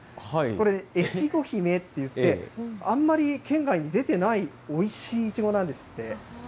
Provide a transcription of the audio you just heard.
これ、越後姫っていって、あんまり県外に出てないおいしいいちごなんですって。